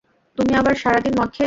তুমি আবার সারাদিন মদ খেয়েছ।